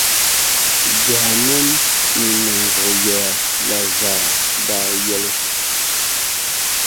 Jɔhanan ni ninvuɣ’ yoya la zaa daa yɛli.